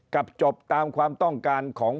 จบตามความต้องการของ